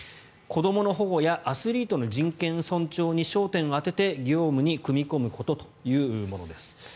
子どもの保護やアスリートの人権尊重に焦点を当てて業務に組み込むことというものです。